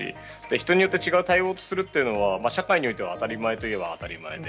人によって違う対応をするというのは社会においては当たり前といえば当たり前で。